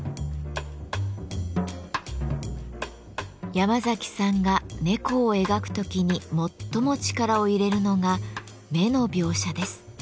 ヤマザキさんが猫を描く時に最も力を入れるのが目の描写です。